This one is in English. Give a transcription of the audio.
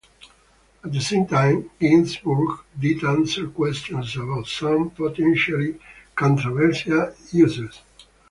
At the same time, Ginsburg did answer questions about some potentially controversial issues.